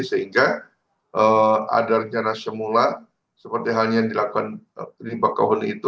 sehingga ada rencana semula seperti halnya yang dilakukan di bakau holi itu